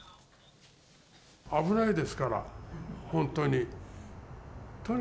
危ないですから、本当に。